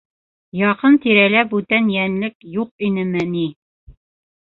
— Яҡын-тирәлә бүтән йәнлек юҡ инеме ни?